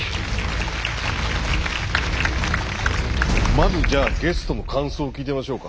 まずじゃあゲストの感想を聞いてみましょうか。